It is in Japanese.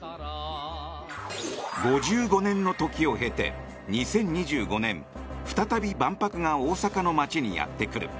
５５年の時を経て、２０２５年再び、万博が大阪の街にやってくる。